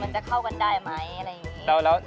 จะเข้ากันได้ไหมอะไรอย่างนี้